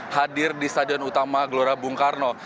hadir di stadion utama gelora bung karno